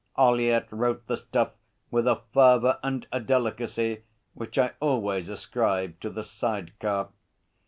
Ollyett wrote the stuff with a fervour and a delicacy which I always ascribed to the side car.